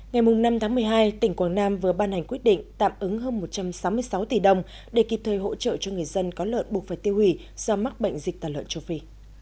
ngày năm tháng một mươi hai tỉnh quảng nam vừa ban hành quyết định tạm ứng hơn một trăm sáu mươi sáu tỷ đồng để kịp thời hỗ trợ cho người dân có lợn buộc phải tiêu hủy do mắc bệnh dịch tả lợn châu phi